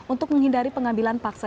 untuk menghindari pengambilan panggilan